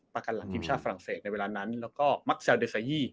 ประกันหลักทฤพธิปภาษาฝรั่งเศสในเวลานั้นแล้วก็